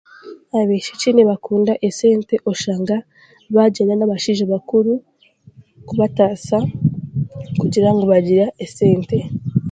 Abaishiki nibakunda esente oshanga bagyenda n'abashaija bakuru kubatasya